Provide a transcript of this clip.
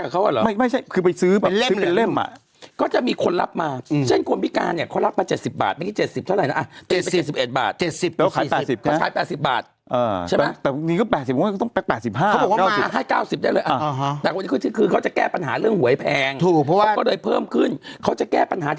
เข้าไปกินนึงคุณต้องได้กาไร๑๐บาท